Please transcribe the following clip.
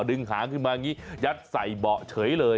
หางขึ้นมาอย่างนี้ยัดใส่เบาะเฉยเลย